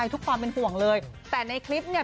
ทุกความเป็นห่วงเลยแต่ในคลิปเนี่ย